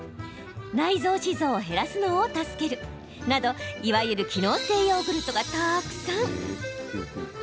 内臓脂肪を減らすのを助けるなどいわゆる機能性ヨーグルトがたくさん。